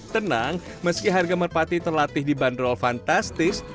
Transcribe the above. tenang meski harga merpati terlatih di bandrol fantastis